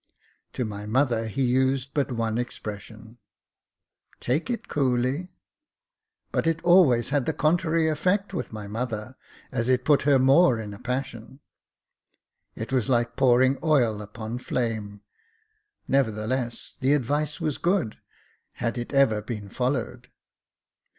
To my mother, he used but one expression, " Tah it coolly ;" but it always had the contrary effect with my mother, as it put her more in a passion. It was like pouring oil upon flame ; never theless, the advice was good, had it ever been followed.